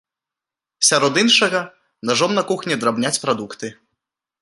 Сярод іншага, нажом на кухні драбняць прадукты.